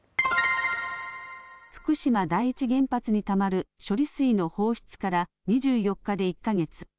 福島第一原発にたまる処理水の放出から２４日で１か月。